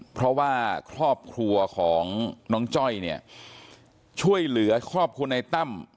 เพราะว่าครอบครัวของน้องจ้อยเนี่ยช่วยเหลือครอบครัวในตั้ม